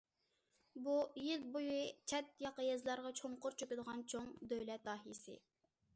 بۇ، يىل بويى چەت- ياقا يېزىلارغا چوڭقۇر چۆكىدىغان چوڭ دۆلەت داھىيسى.